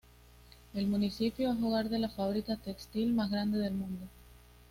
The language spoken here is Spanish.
El municipio es hogar de la fábrica textil más grande del mundo.